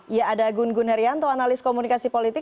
ya ada gun gun herianto analis komunikasi politik